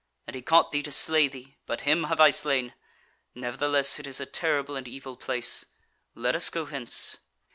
and he caught thee to slay thee; but him have I slain. Nevertheless, it is a terrible and evil place: let us go hence."